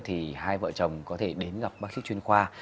thì hai vợ chồng có thể đến gặp bác sĩ chuyên khoa